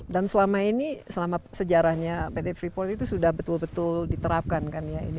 dan selama ini selama sejarahnya pt freeport itu sudah betul betul berhasil